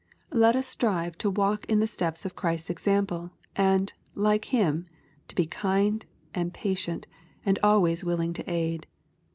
Let us strive to walk in the steps of Christ's example, and, like Him, to be kind, and patient, and always willing to aid.